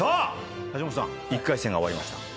橋本さん１回戦が終わりました。